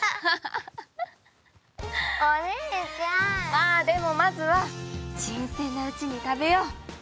まあでもまずは新鮮なうちに食べよう。